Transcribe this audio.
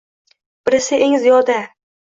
Birisi eng ziyoda.